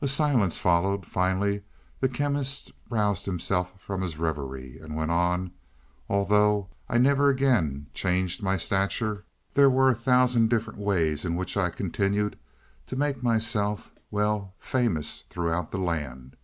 A silence followed; finally the Chemist roused himself from his reverie, and went on. "Although I never again changed my stature, there were a thousand different ways in which I continued to make myself well, famous throughout the land.